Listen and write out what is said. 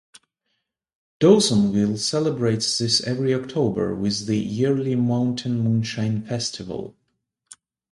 Dawsonville celebrates this every October with the yearly "Mountain Moonshine Festival".